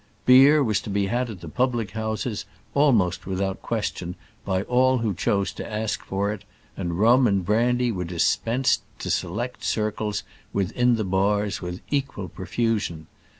Beer was to be had at the public houses, almost without question, by all who chose to ask for it; and rum and brandy were dispensed to select circles within the bars with equal profusion.